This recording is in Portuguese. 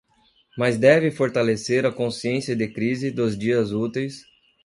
Mais deve fortalecer a consciência de crise dos dias úteis